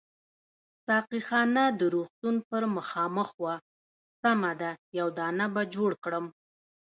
ساقي خانه د روغتون پر مخامخ وه، سمه ده یو دانه به جوړ کړم.